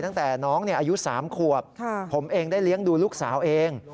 ตั้งแต่น้องอายุ๓ขวบผมเองได้เลี้ยงดูลูกสาวเอง